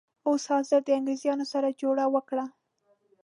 اوس حاضر د انګریزانو سره جوړه وکړه.